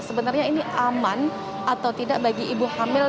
sebenarnya ini aman atau tidak bagi ibu hamil